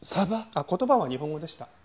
あっ言葉は日本語でした。